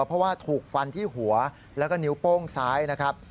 เพราะว่าถูกฟันที่หัวแล้วก็นิ้วโป้งซ้ายนะครับ